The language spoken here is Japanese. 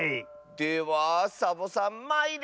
ではサボさんまいれ！